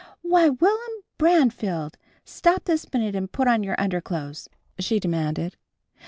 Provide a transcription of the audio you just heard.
"Why, Will'm Branfield! Stop this minute and put on your underclothes!" she demanded.